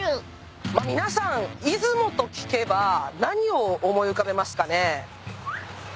まっ皆さん出雲と聞けば何を思い浮かべますかね？